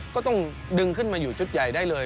ก็ต้องดึงขึ้นมาอยู่ชุดใหญ่ได้เลย